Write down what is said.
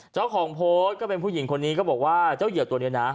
เจ้าของโพสต์ก็เป็นผู้หญิงคนนี้ก็บอกว่าเจ้าเหยื่อตัวนี้นะ